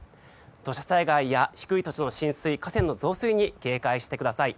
土砂災害や低い土地の浸水河川の増水に警戒してください。